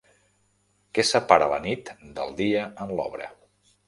Què separa la nit del dia en l'obra?